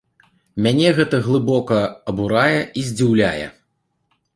Мяне гэта глыбока абурае і здзіўляе.